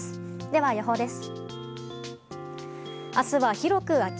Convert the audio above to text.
では、予報です。